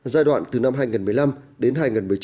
giai đoạn từ năm hai nghìn một mươi năm đến hai nghìn một mươi chín